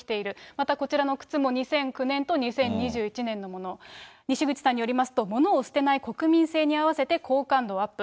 またこちらの靴も２００９年と２０２１年のもの。にしぐちさんによりますと、物を捨てない国民性に合わせて好感度アップ。